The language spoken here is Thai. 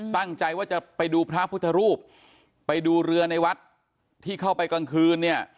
ตั้งใจว่าจะไปดูพระพุทธรูปไปดูเรือในวัดที่เข้าไปกลางคืนเนี่ย